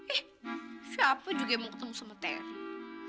eh siapa juga yang mau ketemu sama teri